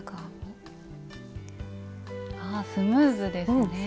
あスムーズですねえ。